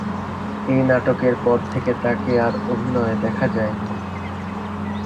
এই নাটকের পর থেকে তাকে আর অভিনয়ে দেখা যায়নি।